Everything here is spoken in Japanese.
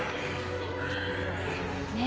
ねえ